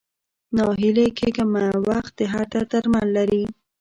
ناهيلی کيږه مه ، وخت د هر درد درمل لري